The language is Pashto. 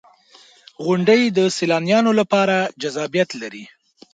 • غونډۍ د سیلانیانو لپاره جذابیت لري.